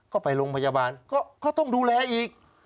ก็ไปโรงพยาบาลก็ต้องดูแลอีก